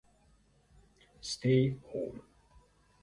Stay Home.